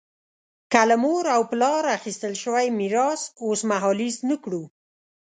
که له مور او پلار اخیستل شوی میراث اوسمهالیز نه کړو.